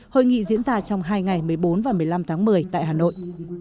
hội nghị diễn ra trong hai ngày một mươi bốn và một mươi năm tháng một mươi tại hà nội